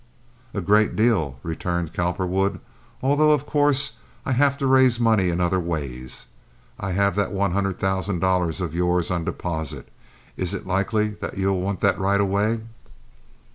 "A great deal," returned Cowperwood, "although of course I have to raise money in other ways. I have that one hundred thousand dollars of yours on deposit. Is it likely that you'll want that right away?"